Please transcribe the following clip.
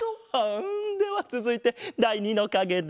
ではつづいてだい２のかげだ。